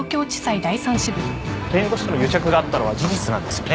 弁護士との癒着があったのは事実なんですよね？